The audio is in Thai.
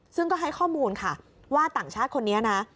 ซึ่งก็ให้ข้อมูลค่ะว่าต่างชาติคนนี้นะ